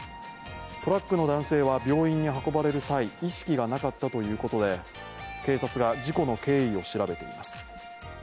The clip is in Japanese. トラックの男性は病院に運ばれる際、意識がなかったということで警察が事故の経緯を調べています。